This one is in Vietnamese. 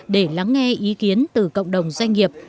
để lắng nghe ý kiến từ cộng đồng doanh nghiệp